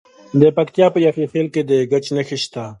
د پکتیکا په یحیی خیل کې د ګچ نښې شته.